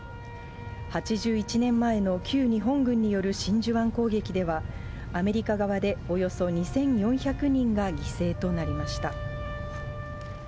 ８１年前の旧日本軍による真珠湾攻撃では、アメリカ側でおよそ２４００人が犠牲となりました。